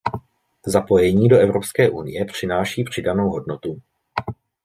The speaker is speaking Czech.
Zapojení do Evropské unie přináší přidanou hodnotu.